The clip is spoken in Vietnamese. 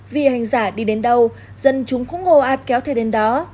vì hành giả đi đến đâu dân chúng cũng ngồ át kéo theo đến đó